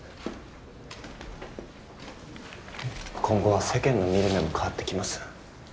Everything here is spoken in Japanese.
今後は世間の見る目も変わってきます。